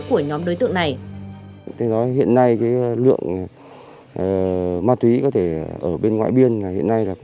của nhóm đối tượng này